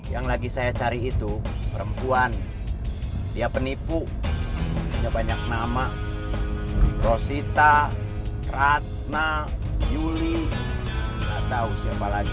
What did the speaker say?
yang lagi saya cari itu perempuan dia penipu punya banyak nama rosita ratna yuli atau siapa lagi